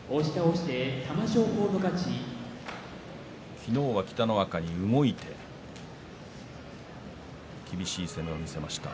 昨日は北の若に動いて厳しい攻めを見せました。